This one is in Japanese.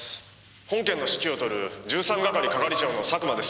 本件の指揮を執る１３係係長の佐久間です。